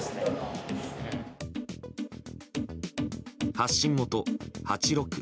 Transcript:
発信元８６。